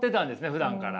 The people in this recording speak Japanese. ふだんから。